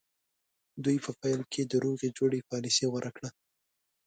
دوی په پیل کې د روغې جوړې پالیسي غوره کړه.